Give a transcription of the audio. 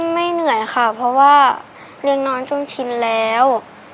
เหนื่อยค่ะเพราะว่าเลี้ยงนอนจนชินแล้ว